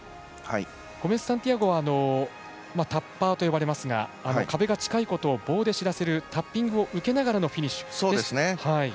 ゴメスサンティアゴはタッパーと呼ばれますが壁が近いことを棒で知らせるタッピングを受けながらフィニッシュ。